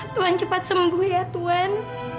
tuan cepat sembuh ya tuan